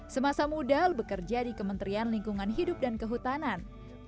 semasa muda bekerja di kementerian lingkungan hidup dan kehutanan